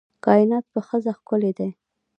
کائنات په ښځه ښکلي دي